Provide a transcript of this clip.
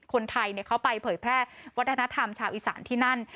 คนไทยเขาไปเผยแพร่วัฒนธรรมชาวอีสานที่นั่น